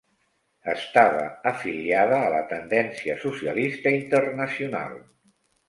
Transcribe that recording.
Estava afiliada a la Tendència Socialista Internacional.